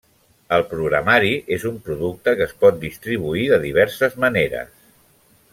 El programari és un producte que es pot distribuir de diverses maneres.